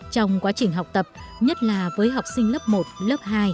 trong quá trình học tập nhất là với học sinh lớp một lớp hai